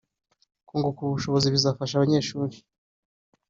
kunguka ubu bushobozi bizafasha abanyeshuri